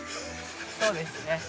そうですね。